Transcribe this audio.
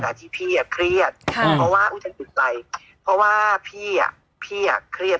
ที่พี่อ่ะเครียดใช่เพราะว่าพี่อ่ะพี่อ่ะเครียด